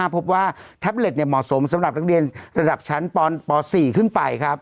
พบว่าแท็บเล็ตเหมาะสมสำหรับนักเรียนระดับชั้นป๔ขึ้นไปครับ